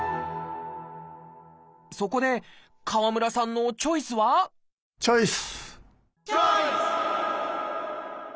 そこで川村さんのチョイスはチョイス！